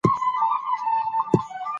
یوازیتوب بدې ټولنیزې پایلې لري.